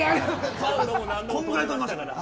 こんぐらい跳びましたから。